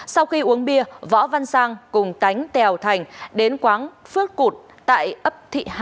sau khi uống bia võ văn sang cùng cánh tèo thành đến quán phước cụt tại ấp thị hai